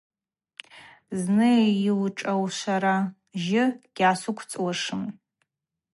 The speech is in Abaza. Зны йушӏаурышвра жьы гьгӏасыквцӏуашым.